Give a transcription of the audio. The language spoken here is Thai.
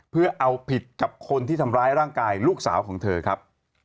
เพื่อเอาผิดกับคนที่ทำร้ายร่างกายลูกสาวของเธอครับ